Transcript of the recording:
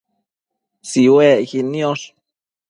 Tsiuecquid niosh